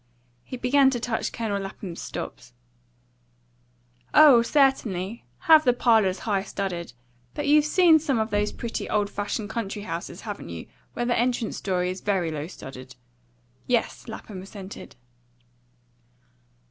He began to touch Colonel Lapham's stops. "Oh, certainly, have the parlours high studded. But you've seen some of those pretty old fashioned country houses, haven't you, where the entrance story is very low studded?" "Yes," Lapham assented.